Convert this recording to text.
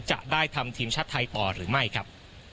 จะได้ทำทีมชาติไทยต่อหรือไม่ครับ